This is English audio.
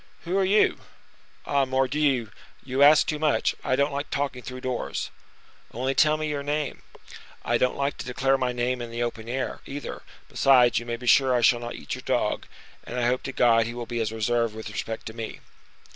"Who are you?" "Ah! Mordioux! you ask too much; I don't like talking through doors." "Only tell me your name." "I don't like to declare my name in the open air, either; besides, you may be sure I shall not eat your dog, and I hope to God he will be as reserved with respect to me."